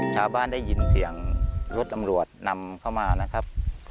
ได้ยินเสียงรถตำรวจนำเข้ามานะครับ